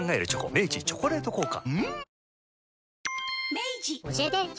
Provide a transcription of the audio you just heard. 明治「チョコレート効果」